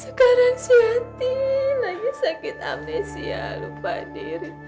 sekarang si hati lagi sakit amnesia lupa diri